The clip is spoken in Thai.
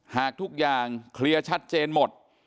หากทุกอย่างเคลียร์ชัดเจนหมด